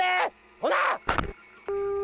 ほな！